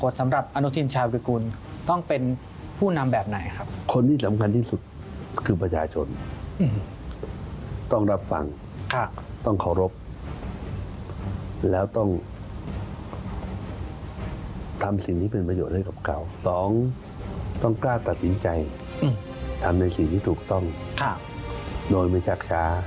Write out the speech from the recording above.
ทำในสิ่งที่ถูกต้องโดยไม่ชักช้า